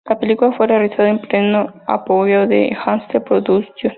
La película fue realizada en pleno apogeo de Hammer productions.